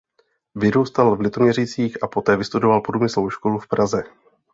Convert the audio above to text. Vyrůstal v Litoměřicích a poté vystudoval průmyslovou školu v Praze.